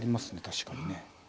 確かにね。